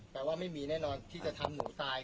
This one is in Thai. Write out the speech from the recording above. ว่าไม่มีแน่นอนที่จะทำหนูตาย